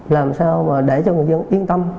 làm sao mà để cho người dân yên tâm